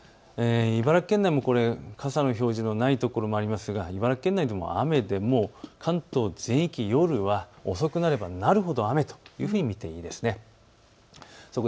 茨城県内も傘の表示のないところがありますが茨城県内でも雨で関東全域、夜は遅くなればなるほど雨というふうに見ていいでしょう。